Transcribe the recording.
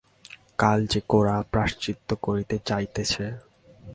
কাল যে গোরা প্রায়শ্চিত্ত করিতে যাইতেছে।